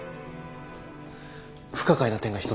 不可解な点が１つだけ。